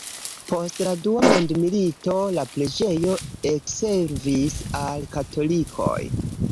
Post la dua mondmilito la preĝejo ekservis al katolikoj.